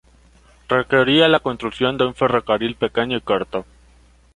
Requería la construcción de un ferrocarril pequeño y corto.